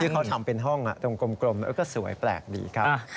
เขาทำเป็นห้องตรงกลมแล้วก็สวยแปลกดีครับ